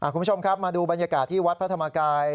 คุณผู้ชมครับมาดูบรรยากาศที่วัดพระธรรมกาย